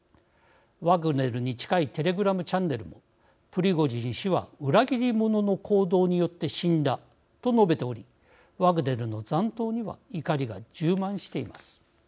ワグネルに近いテレグラムチャンネルもプリゴジン氏は裏切り者の行動によって死んだと述べておりワグネルの残党には怒りが充満しています。